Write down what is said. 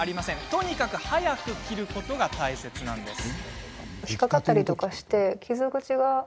とにかく早く切ることが大切なんです。